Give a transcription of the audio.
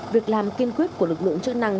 việc làm kiên quyết của lực lượng chức năng